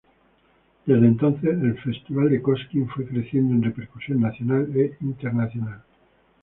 Desde entonces el Festival de Cosquín fue creciendo en repercusión nacional e internacional.